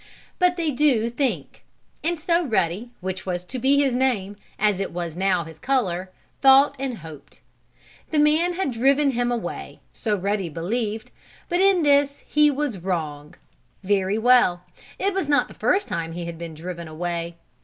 But they do think. And so Ruddy, which was to be his name, as it was now his color, thought and hoped. The man had driven him away so Ruddy believed, but in this he was wrong. Very well. It was not the first time he had been driven away.